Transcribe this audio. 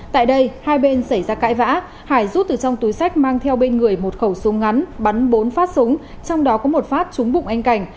tại đây hai bên xảy ra cãi vã hải rút từ trong túi sách mang theo bên người một khẩu súng ngắn bắn bốn phát súng trong đó có một phát trúng bụng anh cảnh